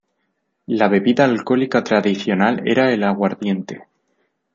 La bebida alcohólica tradicional era el aguardiente.